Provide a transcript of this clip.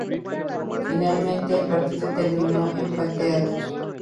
Finalmente el partido terminó empate a dos.